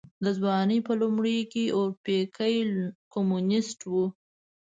د ځوانۍ په لومړيو کې اورپکی کمونيسټ و.